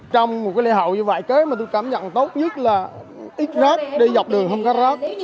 trong một lễ hội như vậy tôi cảm nhận tốt nhất là ít rác đi dọc đường không có rác